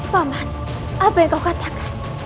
paman apa yang kau katakan